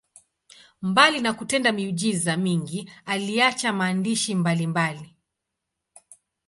Mbali na kutenda miujiza mingi, aliacha maandishi mbalimbali.